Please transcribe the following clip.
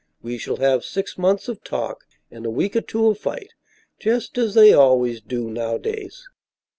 We shall have six months of talk and a week or two of fight, just as they always do nowadays."